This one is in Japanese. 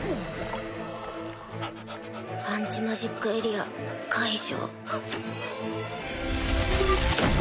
アンチマジックエリア解除。